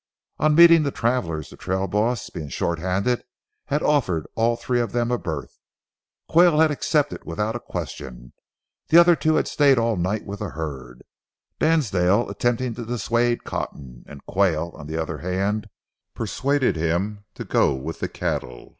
On meeting the travelers, the trail boss, being short handed, had offered all three of them a berth. Quayle had accepted without a question. The other two had stayed all night with the herd, Dansdale attempting to dissuade Cotton, and Quayle, on the other hand, persuading him to go with the cattle.